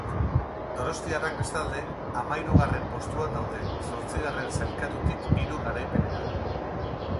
Donostiarrak, bestalde, hamahirugaren postuan daude, zortzigarren sailkatutik hiru garaipenera.